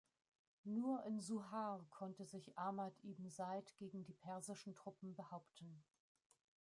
Nur in Suhar konnte sich Ahmad ibn Said gegen die persischen Truppen behaupten.